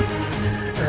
saya tidak tahu